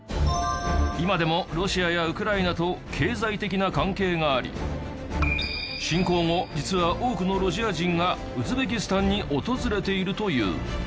今でもロシアやウクライナと経済的な関係があり侵攻後実は多くのロシア人がウズベキスタンに訪れているという。